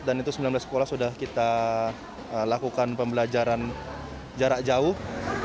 dan itu sembilan belas sekolah sudah kita lakukan pembelajaran jarak jauh